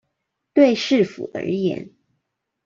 對市府而言